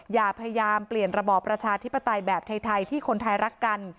อย่าพยายามเปลี่ยนระบอบประชาธิปไตยแบบไทยที่คนไทยรักกัน